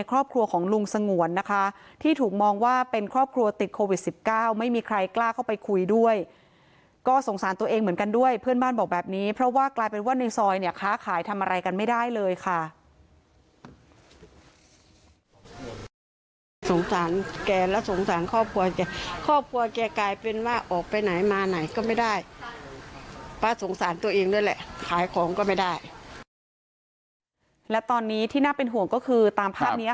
ครอบครัวของลุงสงวนนะคะที่ถูกมองว่าเป็นครอบครัวติดโควิดสิบเก้าไม่มีใครกล้าเข้าไปคุยด้วยก็สงสารตัวเองเหมือนกันด้วยเพื่อนบ้านบอกแบบนี้เพราะว่ากลายเป็นว่าในซอยเนี่ยค้าขายทำอะไรกันไม่ได้เลยค่ะครอบครัวแกกลายเป็นว่าออกไปไหนมาไหนก็ไม่ได้และตอนนี้ที่น่าเป็นห่วงก็คือตามภาพเนี้ย